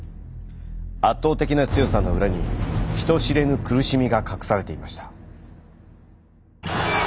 圧倒的な強さの裏に人知れぬ苦しみが隠されていました。